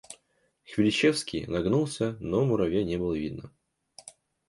Хвилищевский нагнулся, но муравья не было видно.